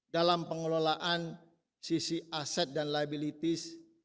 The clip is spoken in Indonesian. dalam pengelolaan sisi aset dan liabilities